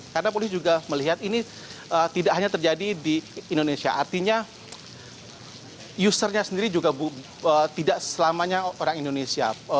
karena polisi juga melihat ini tidak hanya terjadi di indonesia artinya usernya sendiri juga tidak selamanya orang indonesia